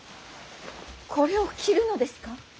これを着るのですか。